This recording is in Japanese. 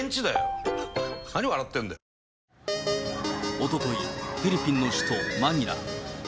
おととい、フィリピンの首都マニラ。